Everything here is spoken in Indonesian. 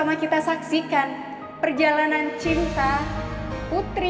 apa kehidupan itu pada suatu materi